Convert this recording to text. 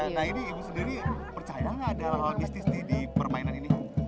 nah ini ibu sendiri percaya nggak ada logistis di permainan ini